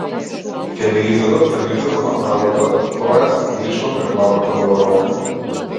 Ќе ве изведат пред лицето на правдата то ест лично пред главната бабарога!